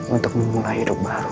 untuk memulai hidup baru